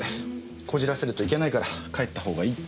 こじらせるといけないから帰ったほうがいいって。